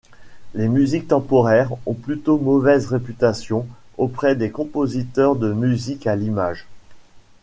Les musiques temporaires ont plutôt mauvaise réputation auprès des compositeurs de musique à l'image.